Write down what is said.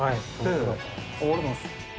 ありがとうございます。